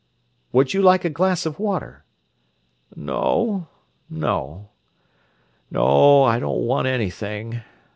"Would you like a glass of water?" "No—no. No; I don't want anything."